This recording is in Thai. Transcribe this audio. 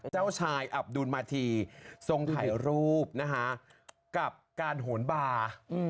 เจ้าชายอับดุลมาธีทรงถ่ายรูปนะคะกับการโหนบาร์